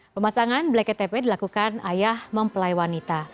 pemasangan bleket tepe dilakukan ayah mempelai wanita